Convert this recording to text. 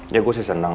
ya gue sih seneng